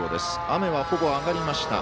雨はほぼ上がりました。